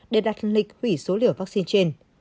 để đặt lịch hủy số liều vaccine trên